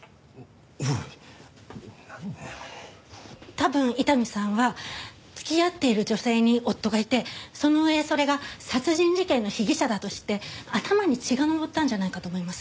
多分伊丹さんは付き合っている女性に夫がいてその上それが殺人事件の被疑者だと知って頭に血が上ったんじゃないかと思います。